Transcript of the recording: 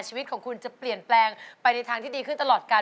ชีวิตของคุณจะเปลี่ยนแปลงไปในทางที่ดีขึ้นตลอดกัน